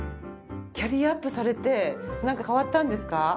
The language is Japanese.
キャリアアップされてなんか変わったんですか？